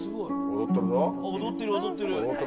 踊ってる踊ってる。